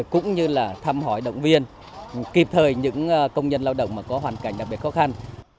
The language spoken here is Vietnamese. cũng như là thăm hỏi động viên kịp thời những công nhân lao động có hoàn cảnh đặc biệt khó khăn